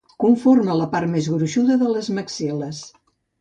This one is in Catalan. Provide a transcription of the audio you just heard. Conforma la part més gruixuda de les maxil·les.